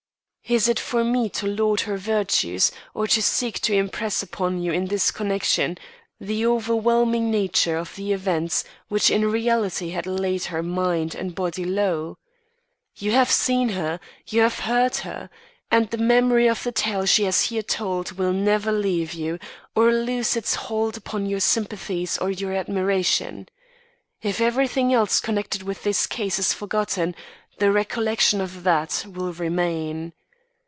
"Is it for me to laud her virtues, or to seek to impress upon you in this connection, the overwhelming nature of the events which in reality had laid her mind and body low? You have seen her; you have heard her; and the memory of the tale she has here told will never leave you, or lose its hold upon your sympathies or your admiration. If everything else connected with this case is forgotten, the recollection of that will remain.